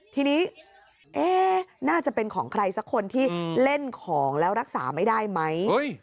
ทีนี้น่าจะเป็นของใครสักคนที่เล่นของแล้วรักษาไม่ได้ไหม